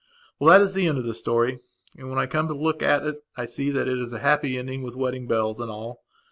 Well, that is the end of the story. And, when I come to look at it I see that it is a happy ending with wedding bells and all.